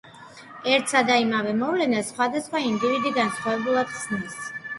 ერთსა და იმავე მოვლენას სხვადასხვა ინდივიდი განსხვავებულად ხსნის.